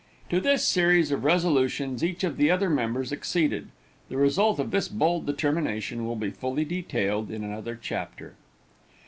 To this series of resolutions each of the other members acceded. The result of this bold determination will be fully detailed in another chapter.